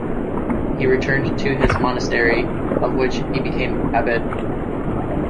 He returned to his monastery, of which he became abbot.